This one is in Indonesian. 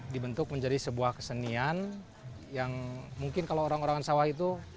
dibentuk menjadi sebuah kesenian yang mungkin kalau orang orang sawah itu